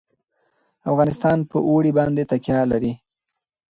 افغانستان په اوړي باندې تکیه لري.